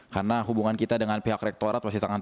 karena hubungan kita dengan pihak rektorat masih sangat